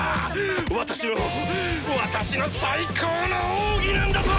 私の私の最高の奥義なんだぞ！